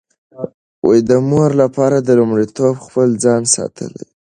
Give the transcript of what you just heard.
د مور لپاره لومړیتوب خپل ځان ساتل دي.